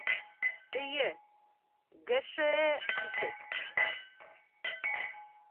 — Эйе, ГШЭ нисек?